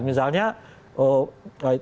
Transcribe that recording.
misalnya tadi pasukan orang